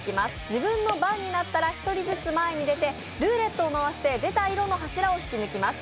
自分の番になったら１人ずつ前に出てルーレットを回して出た色の柱を引き抜きます。